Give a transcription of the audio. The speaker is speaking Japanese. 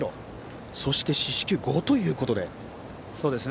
そして四死球５ということです。